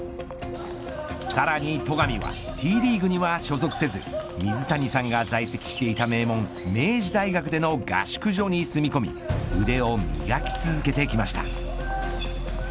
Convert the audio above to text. さらに戸上はＴリーグには所属せず水谷さんが在籍していた名門、明治大学での合宿所に住み込み腕を磨き続けてきました。